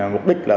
mục đích là